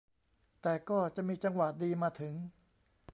แต่ก็จะมีจังหวะดีมาถึง